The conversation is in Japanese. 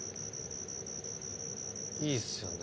いいですよね。